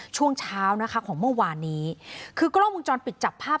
ช่วงเช้านะคะของเมื่อวานนี้คือกล้องวงจรปิดจับภาพ